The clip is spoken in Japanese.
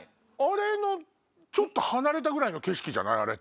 あれのちょっと離れたぐらいの景色じゃない？